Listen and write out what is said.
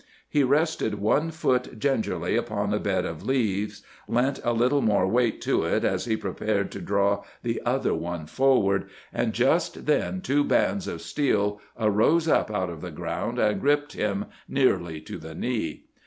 He rested one foot gingerly upon a bed of leaves, leant a little more weight to it as he prepared to draw the other one forward, and just then two bands of steel arose up out of the ground and gripped him nearly to the knee.